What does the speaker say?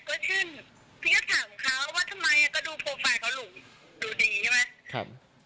ก็ดูโปรไฟล์เขาหลุมดูดีใช่ไหม